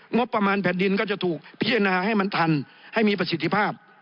งบประมาณแผ่นดินก็จะถูกพิจารณาให้มันทันให้มีประสิทธิภาพ